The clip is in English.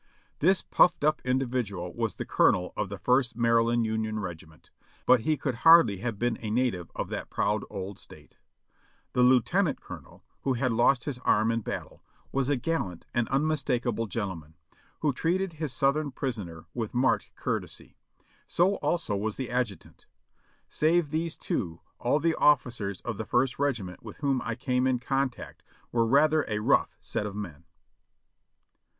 This pufifed up individual was the colonel of the First Mary land Union Regiment, but he could hardly have been a native of that proud old State. The lieutenant colonel, who had lost his arm in battle, was a gallant and unmistakable gentleman, who treated his Southern prisoner with marked courtesy ; so also was the adjutant. Save these two, all the officers of the First Regiment with whom I came in contact were rather a rough set of men.